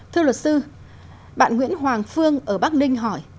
thưa luật sư bạn nguyễn hoàng phương ở bắc ninh hỏi